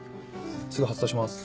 すぐ発送します。